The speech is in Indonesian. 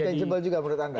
intangible juga menurut anda